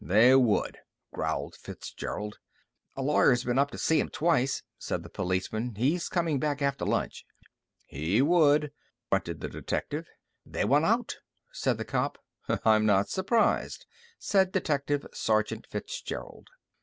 "They would," growled Fitzgerald. "A lawyer's been to see 'em twice," said the patrolman. "He's comin' back after lunch." "He would," grunted the detective. "They want out," said the cop. "I'm not surprised," said Detective Sergeant Fitzgerald.